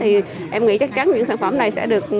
thì em nghĩ chắc chắn những sản phẩm này